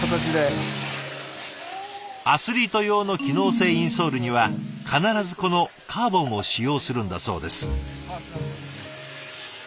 アスリート用の機能性インソールには必ずこのカーボンを使用するんだそうです。